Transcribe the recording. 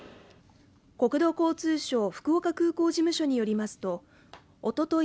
国土交通省福岡空港事務所によりますとおととい